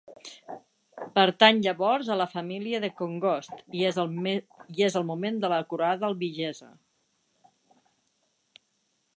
Pertany llavors a la família de Congost i és el moment de la croada albigesa.